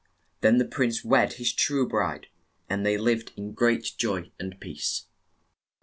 Then the prince wed his true bride, and they lived in great joy and peace.